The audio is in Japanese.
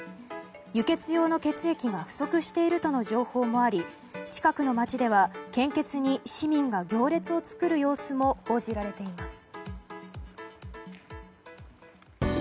輸血用の血液が不足しているとの情報もあり近くの街では献血に市民が行列を作る様子も報じられています。